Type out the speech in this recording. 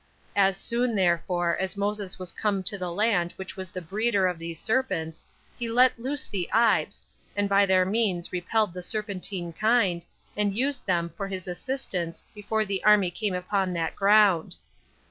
As soon, therefore, as Moses was come to the land which was the breeder of these serpents, he let loose the ibes, and by their means repelled the serpentine kind, and used them for his assistants before the army came upon that ground.